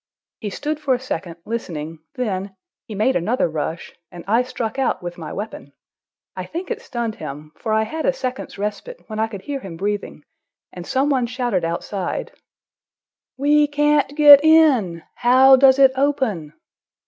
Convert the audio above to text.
He stood for a second, listening, then—he made another rush, and I struck out with my weapon. I think it stunned him, for I had a second's respite when I could hear him breathing, and some one shouted outside: "We—Can't—get—in. How—does—it—open?"